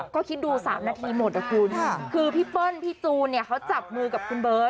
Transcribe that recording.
ก็คิดดู๓นาทีหมดนะคุณคือพี่เปิ้ลพี่จูนเนี่ยเขาจับมือกับคุณเบิร์ต